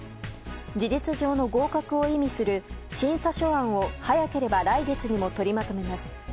事実上の合格を意味する審査書案を早ければ来月にも取りまとめます。